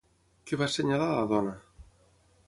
Què va assenyalar la dona?